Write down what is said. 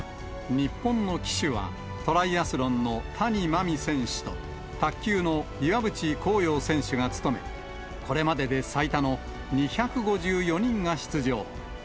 日本の旗手は、トライアスロンの谷真海選手と、卓球の岩渕幸洋選手が務め、これまでで最多の２５４人が出場。